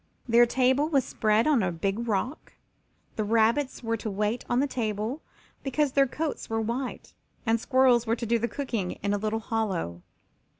Their table was spread on a big rock; the rabbits were to wait on the table because their coats were white, and squirrels were to do the cooking in a little hollow.